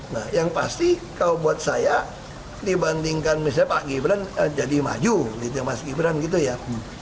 nah yang pasti kalau buat saya dibandingkan misalnya pak gibran jadi maju gitu mas gibran gitu ya